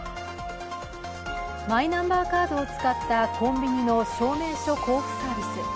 マイナンバーカードを使ったコンビニの証明書交付サービス。